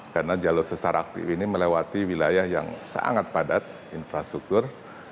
karena jalur sesar aktif ini melewati wilayah yang sangat padat infrastruktur